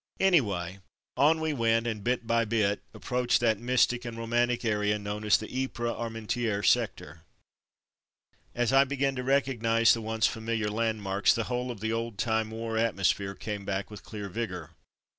Anyway, on we went, and bit by bit ap proached that mystic and romantic area known as the Ypres Armentieres sector. As I began to recognize the once familiar landmarks the whole of the old time war atmosphere came back with clear vigour.